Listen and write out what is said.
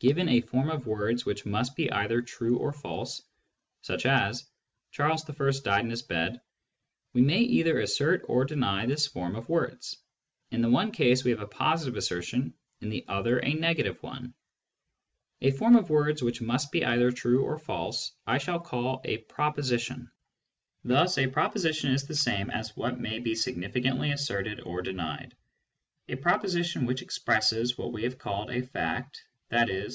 Given a form of words which must be either true or false, such as " Charles I. died in his bed," we may either assert or deny this form of words : in the one case we have a positive assertion, in the other a 'negative one. A form of words which must be either true or false I shall call a proposition. Thus a proposition is the same as what may be significantly asserted or denied. A proposition which expresses what we have called a fact, i.e.